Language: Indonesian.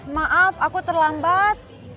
maaf aku terlambat